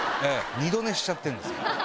二度寝しちゃってるんですよ。